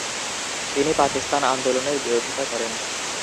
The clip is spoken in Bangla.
তিনি পাকিস্তান আন্দোলনের বিরোধীতা করেন।